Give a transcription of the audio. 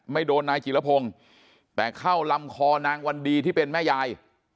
ไม่โดนนายจิรพงศ์แต่เข้าลำคอนางวันดีที่เป็นแม่ยาย